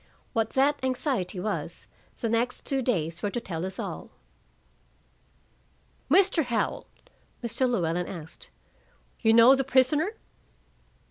What that anxiety was, the next two days were to tell us all. "Mr. Howell," Mr. Llewellyn asked, "you know the prisoner?"